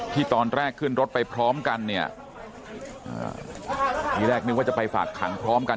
ที่ตอนแรกขึ้นรถไปพร้อมกันเนี่ยทีแรกนึกว่าจะไปฝากขังพร้อมกัน